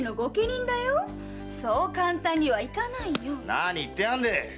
何言ってやがんでえ！